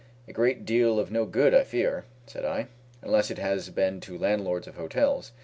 "A great deal of no good, I fear," said I, "unless it has been to landlords of hotels."